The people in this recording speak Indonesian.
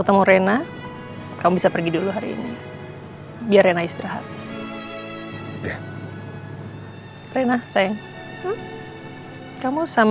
terima kasih pak